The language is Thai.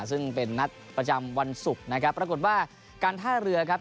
ซึ่งเป็นนัดประจำวันศุกร์นะครับปรากฏว่าการท่าเรือครับ